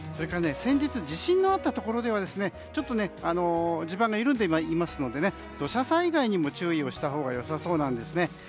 先日、地震のあったところでは地盤が緩んでいますので土砂災害にも注意をしたほうが良さそうです。